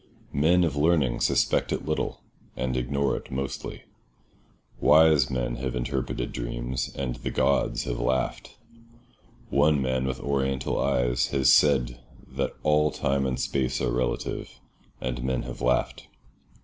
Men of learning suspect it little, and ignore it mostly. Wise men have interpreted dreams, and the gods have laughed. One man with Oriental eyes has said that all time and space are relative, and men have laughed.